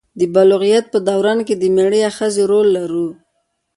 د بلوغیت په دوران کې د میړه یا ښځې رول لرو.